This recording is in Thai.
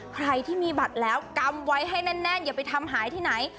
ใครที่มีบัตรแล้วกำไว้ให้แน่นอย่าไปทำหายที่ไหน